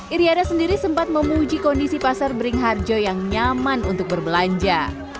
iryana sendiri sempat memuji kondisi pasar beringharjo yang nyaman untuk berbelanja